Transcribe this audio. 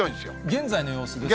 現在の様子ですね。